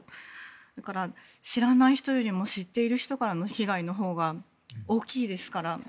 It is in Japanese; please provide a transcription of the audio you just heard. それから知らない人よりも知っている人からの被害のほうが大きいですから。